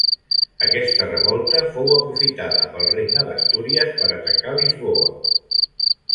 Aquesta revolta fou aprofitada pel Regne d'Astúries per atacar Lisboa.